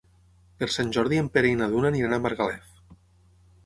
Per Sant Jordi en Pere i na Duna aniran a Margalef.